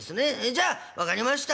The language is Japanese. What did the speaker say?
じゃあ分かりました。